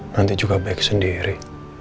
nanti juga baik sendiri